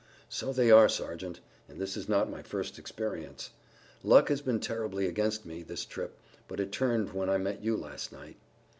"So they are, Sergeant, and this is not my first experience. Luck has been terribly against me this trip, but it turned when I met you last night."